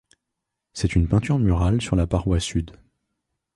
C'est une peinture murale sur la paroi sud.